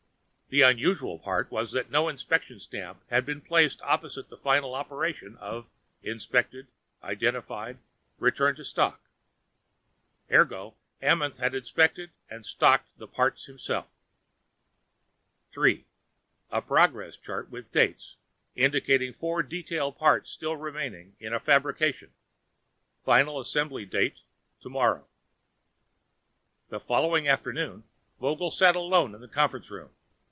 The unusual part was that no inspection stamp had been placed opposite the final operation of Inspect, Identify, Return to Stock. Ergo, Amenth had inspected and stocked the parts himself. Three: A progress chart with dates, indicating four detail parts still remaining in fabrication. Final assembly date tomorrow! The following afternoon, Vogel sat alone in the conference room.